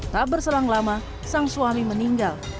tak berselang lama sang suami meninggal